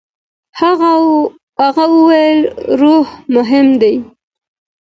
هغه وايي روح مهم دی.